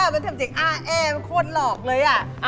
มันหลอกอ่ะเย็นเกินเลยอ่ะ